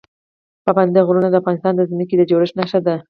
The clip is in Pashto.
پابندي غرونه د افغانستان د ځمکې د جوړښت نښه ده.